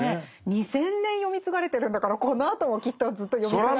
２，０００年読み継がれてるんだからこのあともきっとずっと読み継がれますよね。